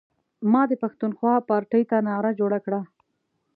ما د پښتونخوا پارټۍ ته نعره جوړه کړه.